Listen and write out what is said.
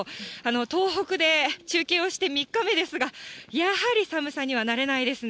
東北で中継をして３日目ですが、やはり寒さには慣れないですね。